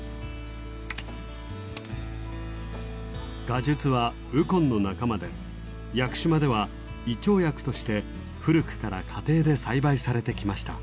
ガジュツはウコンの仲間で屋久島では胃腸薬として古くから家庭で栽培されてきました。